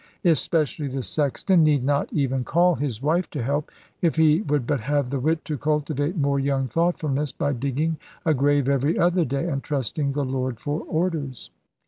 Especially the sexton need not even call his wife to help, if he would but have the wit to cultivate more young thoughtfulness, by digging a grave every other day, and trusting the Lord for orders.